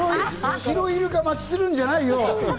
シロイルカ待ちするんじゃねえよ！